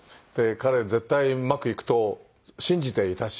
彼絶対うまくいくと信じていたし。